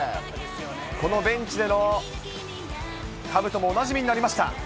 このベンチでのかぶともおなじみになりました。